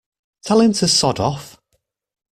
Tell him to Sod Off!